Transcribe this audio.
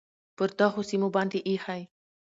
پر دغو سیمو باندې ایښی،